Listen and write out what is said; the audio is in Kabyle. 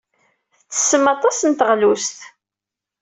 Tettessem aṭas n teɣlust.